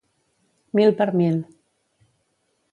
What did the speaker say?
Mil per mil